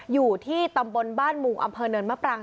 อยู่ที่ตำบลบ้านมุงอำเภอเนินมะปราง